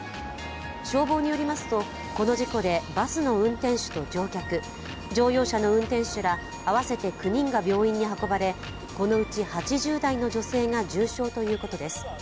消防によりますと、この事故でバスの運転手と乗客、乗用車の運転手ら合わせて９人が病院に運ばれこのうち８０代の女性が重傷ということです。